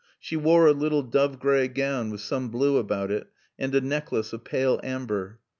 She wore a little dove gray gown with some blue about it and a necklace of pale amber.